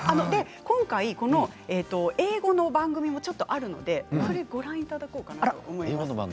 今回、英語の番組もあるのでご覧いただこうかなと思います。